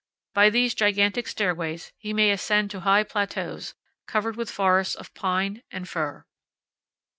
By these gigantic stairways he may ascend to high plateaus, covered with forests of pine and fir.